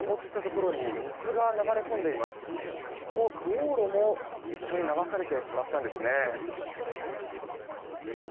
ここ、道路も一緒に流されてしまったんですね。